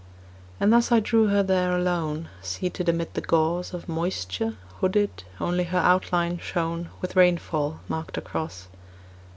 And thus I drew her there alone, Seated amid the gauze Of moisture, hooded, only her outline shown, With rainfall marked across.